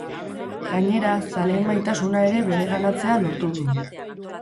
Gainera, zaleen maitasuna ere bereganatzea lortu du.